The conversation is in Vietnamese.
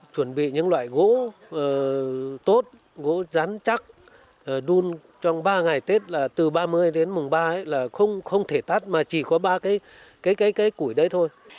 chuẩn bị những loại gỗ tốt gỗ rán chắc đun trong ba ngày tết là từ ba mươi đến mùng ba là không thể tắt mà chỉ có ba cái củi đấy thôi